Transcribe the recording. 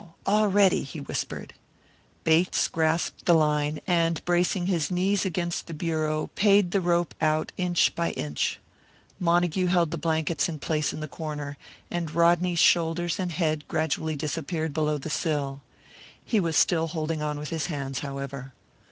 All ready," he whispered. Bates grasped the line, and, bracing his knees against the bureau, paid the rope out inch by inch. Montague held the blankets in place in the corner, and Rodney's shoulders and head gradually disappeared below the sill. He was still holding on with his hands, however.